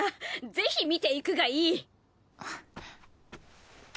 ぜひ見ていくがいい！